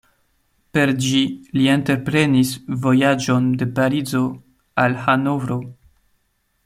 Per ĝi li entreprenis vojaĝon de Parizo al Hanovro.